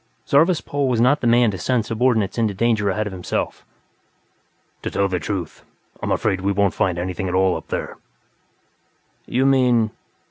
Zarvas Pol was not the man to send subordinates into danger ahead of himself. "To tell the truth, I'm afraid we won't find anything at all up there." "You mean...?"